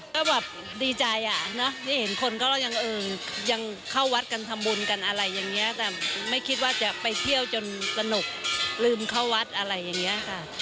ก็แบบดีใจอ่ะเนอะที่เห็นคนก็ยังเข้าวัดกันทำบุญกันอะไรอย่างนี้แต่ไม่คิดว่าจะไปเที่ยวจนสนุกลืมเข้าวัดอะไรอย่างนี้ค่ะ